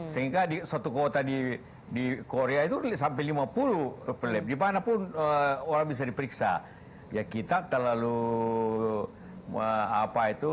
sehingga di satu kota di korea itu sampai lima puluh perlip di manapun orang bisa diperiksa ya kita terlalu